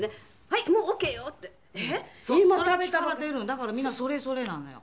だからみんなそれぞれなのよ。